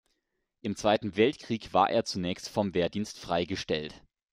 Im Zweiten Weltkrieg war er zunächst vom Wehrdienst freigestellt.